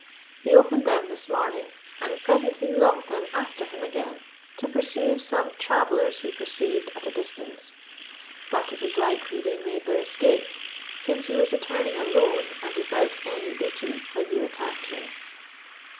He opened them this morning, and presently locked them after him again, to pursue some travellers he perceived at a distance; but it is likely they made their escape, since he was returning alone, and without any booty, when you attacked him.